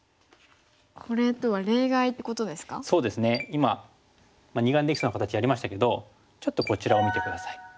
今二眼できた形やりましたけどちょっとこちらを見て下さい。